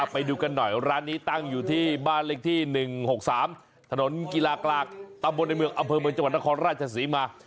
ไปดูกันหน่อยร้านนี้ตั้งอยู่ที่บ้านเลขที่๑๖๓ถนนกีฬากลางตำบลในเมืองอำเภอเมืองจังหวัดนครราชศรีมา